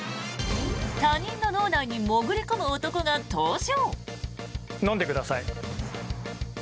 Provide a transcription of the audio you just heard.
他人の脳内に潜り込む男が登場。